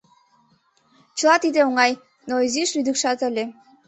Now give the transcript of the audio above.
Чыла тиде оҥай, но изиш лӱдыкшат ыле.